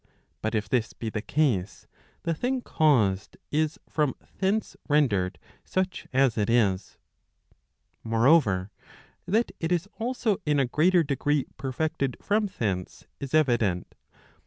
But if this be the case, the thing caused is from thence rendered such as it is. Moreover, that it is also in a greater degree perfected from thence is evident.